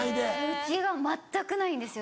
うちは全くないんですよ